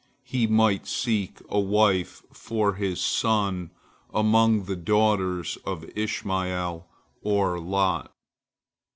He might seek a wife for his son among the daughters of Ishmael or Lot.